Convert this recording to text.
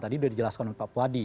tadi sudah dijelaskan oleh pak puadi